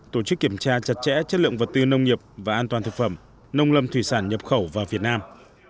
tổ chức kiểm tra chặt chẽ chất lượng vật tư nông nghiệp và an toàn thực phẩm nông lâm thủy sản nhập khẩu vào việt nam